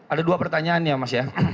ada dua pertanyaan ya mas ya